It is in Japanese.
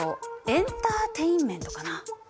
エンターテインメントか。